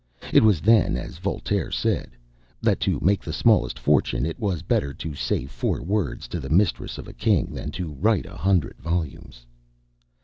It was then, as Voltaire said, "that to make the smallest fortune, it was better to say four words to the mistress of a king, than to write a hundred volumes."